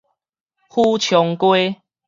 許昌街